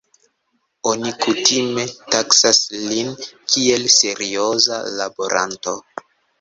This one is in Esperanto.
Oni kutime taksas lin kiel serioza laboranto.